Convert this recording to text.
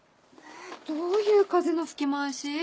えどういう風の吹き回し？